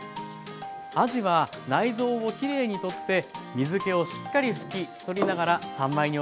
あじは内臓をきれいに取って水けをしっかり拭き取りながら三枚におろします。